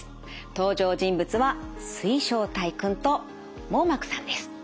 登場人物は水晶体くんと網膜さんです。